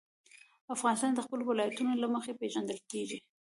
افغانستان د خپلو ولایتونو له مخې پېژندل کېږي.